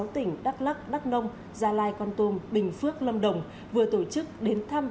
sáu tỉnh đắk lắc đắk nông gia lai con tum bình phước lâm đồng vừa tổ chức đến thăm